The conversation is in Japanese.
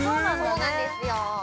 ◆そうなんですよ。